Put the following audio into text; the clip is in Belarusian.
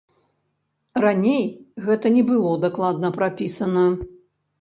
Раней гэта не было дакладна прапісана.